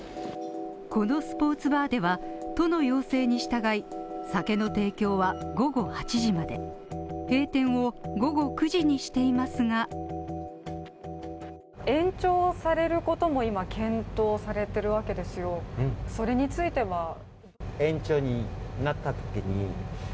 このスポーツバーでは、都の要請に従い酒の提供は午後８時まで、閉店を午後９時にしていますが延長をされることも、今検討されているわけですよ、それについては？